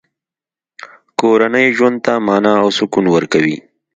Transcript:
کورنۍ ژوند ته مانا او سکون ورکوي.